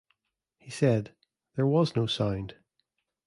He said: There was no sound!